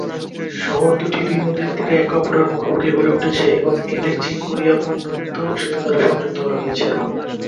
শহর দুটি নদীর দুই তীরে একে অপরের মুখোমুখি গড়ে উঠেছে এবং এদের চিন-কোরিয়া বন্ধুত্ব সেতু দ্বারা সংযুক্ত করা হয়েছে।